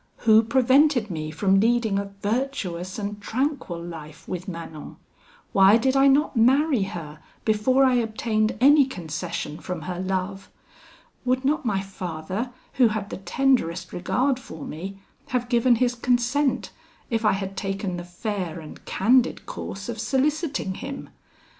Who prevented me from leading a virtuous and tranquil life with Manon? Why did I not marry her before I obtained any concession from her love? Would not my father, who had the tenderest regard for me, have given his consent, if I had taken the fair and candid course of soliciting him?